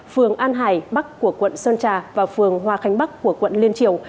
phường an hải bắc của quận sơn trà và phường hoa khánh bắc của quận liên triều